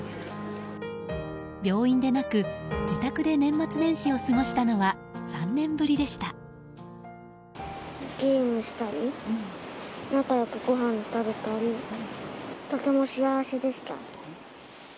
病院でなく自宅で年末年始を過ごしたのは３年ぶりでした。